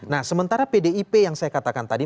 nah sementara pdip yang saya katakan tadi